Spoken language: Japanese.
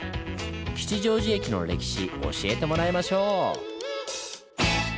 吉祥寺駅の歴史教えてもらいましょう！